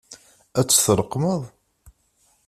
Ad t-tleqqmeḍ?